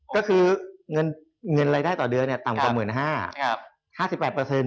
ก็คือเงินรายได้ต่อเดือนต่ำกว่า๑๕๐๐๕๘